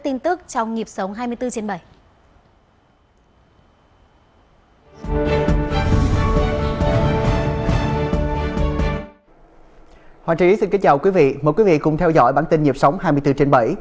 xin chào quý vị mời quý vị cùng theo dõi bản tin nhập sóng hai mươi bốn trên bảy